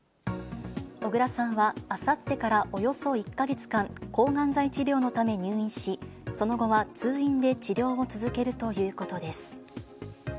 小倉さんはあさってからおよそ１か月間、抗がん剤治療のため入院し、その後は通院で治療を続けるということです。